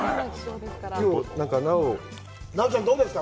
奈緒ちゃん、どうですか？